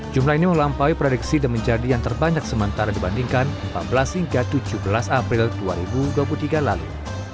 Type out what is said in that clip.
jumlah ini melampaui prediksi dan menjadi yang terbanyak sementara dibandingkan empat belas hingga tujuh belas april dua ribu dua puluh tiga lalu